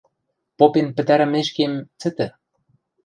Попен пӹтӓрӹмешкем, цӹтӹ...